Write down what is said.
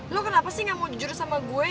lu kenapa sih gak mau jujur sama gue